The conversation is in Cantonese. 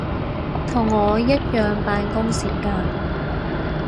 同我一樣扮工時間